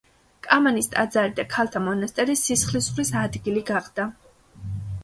კამანის ტაძარი და ქალთა მონასტერი სისხლისღვრის ადგილი გახდა.